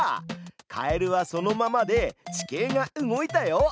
カエルはそのままで地形が動いたよ！